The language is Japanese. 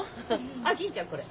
あっ銀ちゃんこれ。